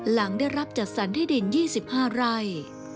หลังได้รับจัดสรรที่ดิน๒๕ไร่